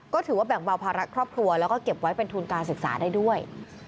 ก็ถือว่าแบ่งเบาภาระครอบครัวแล้วก็เก็บไว้เป็นทุนการศึกษาได้ด้วย